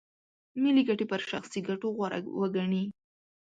ملي ګټې پر شخصي ګټو غوره وګڼي.